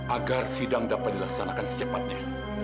agar sidang dapat dilaksanakan secepatnya